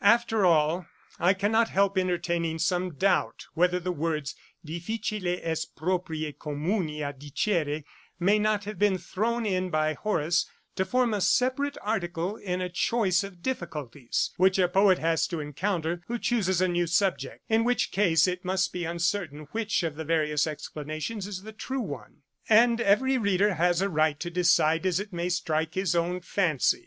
After all, I cannot help entertaining some doubt whether the words, Difficile est propriè communia dicere, may not have been thrown in by Horace to form a separate article in a 'choice of difficulties' which a poet has to encounter, who chooses a new subject; in which case it must be uncertain which of the various explanations is the true one, and every reader has a right to decide as it may strike his own fancy.